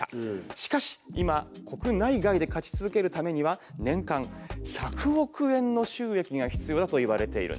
しかし今国内外で勝ち続けるためには年間１００億円の収益が必要だといわれているんです。